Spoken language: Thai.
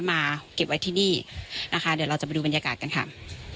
มาเก็บไว้ที่นี่นะคะเดี๋ยวเราจะไปดูบรรยากาศกันค่ะ